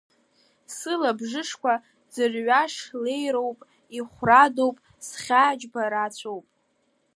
Сылабжышқәа ӡырҩаш леироуп, ихәрадоу схьаа џьбарацәоуп.